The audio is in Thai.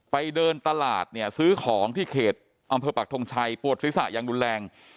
เดินตลาดเนี่ยซื้อของที่เขตอำเภอปักทงชัยปวดศีรษะอย่างรุนแรง